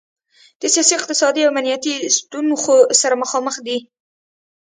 د سیاسي، اقتصادي او امنیتي ستونخو سره مخامخ دی.